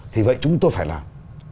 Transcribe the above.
thì vậy chúng tôi phải làm